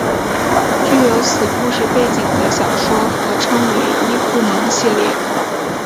具有此故事背景的小说合称为伊库盟系列。